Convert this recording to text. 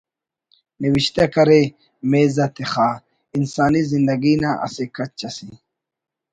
نوشتہ کرے میز آ تخا: ”انسانی زندگی نا اسہ کچ اسے